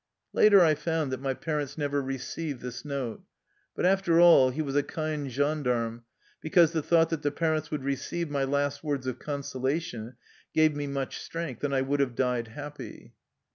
Later I found that my parents never received this note. But, after all, he was a kind gen darme, because the thought that the parents would receive my last words of consolation gave me much strength, and I would have died happy.